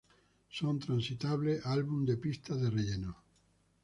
Son transitables álbum de pistas de relleno".